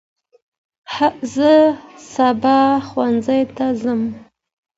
زه سباه ښوونځي ته ځم.